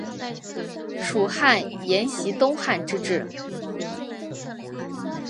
蜀汉沿袭东汉之制。